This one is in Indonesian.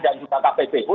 dan juga kppu